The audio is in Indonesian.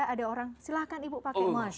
ada orang silahkan ibu pakai masker